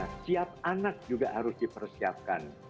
nah siap anak juga harus dipersiapkan